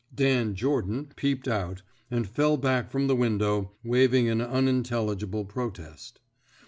Dan Jordan '' peeped out, and fell back from the window, waving an unintelligible protest.